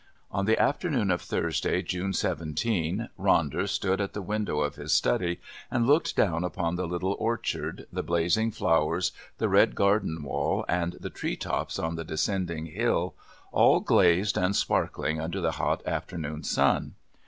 On the afternoon of Thursday, June 17, Ronder stood at the window of his study and looked down upon the little orchard, the blazing flowers, the red garden wall, and the tree tops on the descending hill, all glazed and sparkling under the hot afternoon sun.